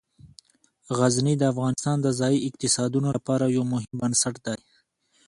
غزني د افغانستان د ځایي اقتصادونو لپاره یو مهم بنسټ دی.